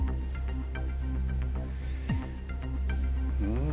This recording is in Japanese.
うん。